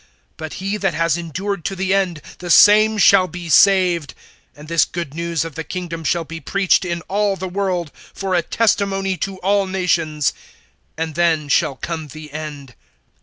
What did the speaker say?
(13)But he that has endured to the end, the same shall be saved. (14)And this good news of the kingdom shall be preached in all the world, for a testimony to all nations; and then shall come the end.